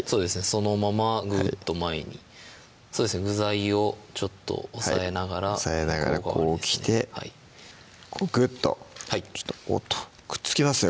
そのままグーッと前にそうですね具材を押さえながら押さえながらこうきてぐっとおっとくっつきますね